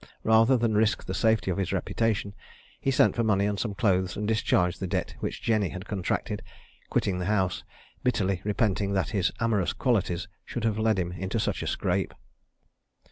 Rather than risk the safety of his reputation, he sent for money and some clothes and discharged the debt which Jenny had contracted, quitting the house, bitterly repenting that his amorous qualities should have led him into such a scrape.